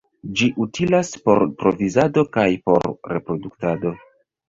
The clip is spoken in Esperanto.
Ĝi utilas por provizado kaj por reproduktado.